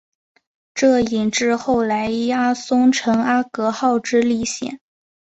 这引致后来伊阿宋乘阿格号之历险。